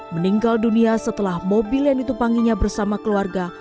meninggal dunia setelah mobil yang ditumpanginya bersama keluarga